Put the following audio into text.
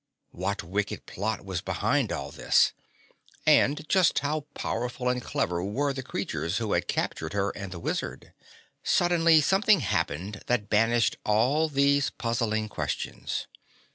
What wicked plot was behind all this? And just how powerful and clever were the creatures who had captured her and the Wizard? Suddenly something happened that banished all these puzzling questions.